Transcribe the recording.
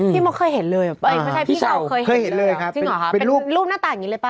พี่เคยเห็นเลยพี่เจ้าเคยเห็นเลยเหรอเป็นรูปหน้าตาอย่างนี้เลยเปล่า